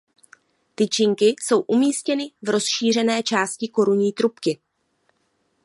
Tyčinky jsou umístěny v rozšířené části korunní trubky.